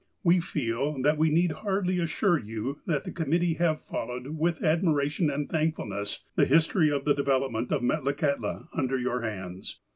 " We feel that we need hardly assure you, that the committee have followed, with admiration and thankfulness, the history of the development of Metlakahtla under your hands.